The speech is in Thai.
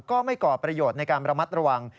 ก็ไม่ก่อประโยชน์ในการระมัดระวัง